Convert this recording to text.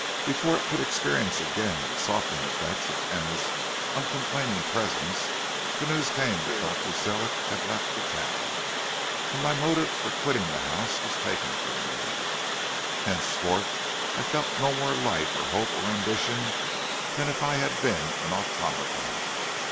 Before it could experience again the softening effects of Emma's uncomplaining presence the news came that Dr. Sellick had left the town, and my motive for quitting the house was taken from me. Henceforth I felt no more life or hope or ambition than if I had been an automaton.